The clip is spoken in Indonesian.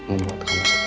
membuat kamu sakit hati